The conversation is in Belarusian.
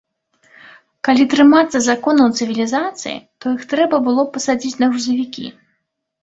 Калі трымацца законаў цывілізацыі, то іх трэба было б пасадзіць на грузавікі.